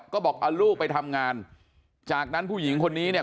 ก็บอกเอาลูกไปทำงานจากนั้นผู้หญิงคนนี้เนี่ย